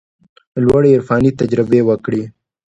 لوړې عرفاني تجربې وکړي.